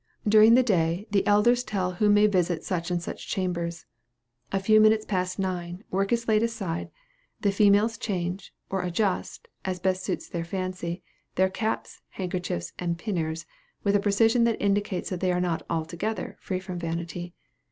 During the day, the elders tell who may visit such and such chambers. A few minutes past nine, work is laid aside; the females change, or adjust, as best suits their fancy, their caps, handkerchiefs, and pinners, with a precision which indicates that they are not altogether free from vanity.